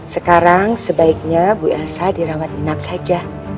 sekarang sebaiknya bu elsa dirawat inap saja